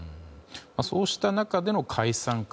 そうした中での解散風。